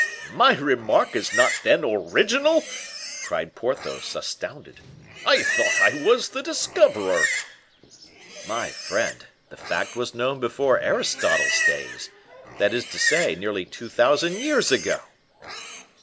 my remark is not then original?" cried Porthos, astounded. "I thought I was the discoverer." "My friend, the fact was known before Aristotle's days that is to say, nearly two thousand years ago."